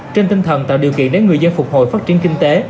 trên tinh thần tạo điều kiện để người dân phục hồi phát triển kinh tế